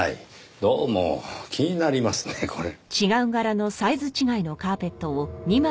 どうも気になりますねこれ。